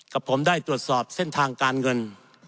กับผมได้ตรวจสอบเส้นทางการเงิน